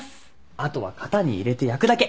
あとは型に入れて焼くだけ。